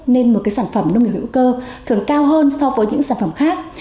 nên một sản phẩm nông nghiệp hữu cơ thường cao hơn so với những sản phẩm khác